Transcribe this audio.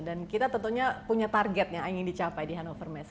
dan kita tentunya punya target yang ingin dicapai di hannover messe